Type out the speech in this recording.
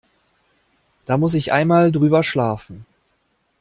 Da muss ich einmal drüber schlafen.